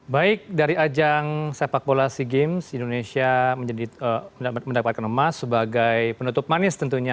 baik dari ajang sepak bola sea games indonesia mendapatkan emas sebagai penutup manis tentunya